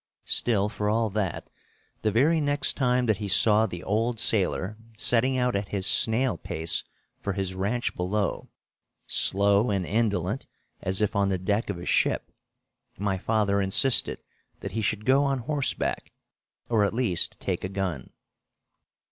Still, for all that, the very next time that he saw the old sailor setting out at his snail pace for his ranch below, slow and indolent as if on the deck of a ship, my father insisted that he should go on horseback, or at least take a gun.